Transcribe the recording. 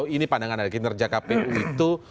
ini pandangan anda kinerja kpu itu